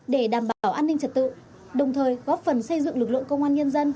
đồng thời góp phần xây dựng lực lượng công an nhân dân